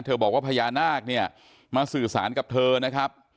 บอกว่าพญานาคเนี่ยมาสื่อสารกับเธอนะครับ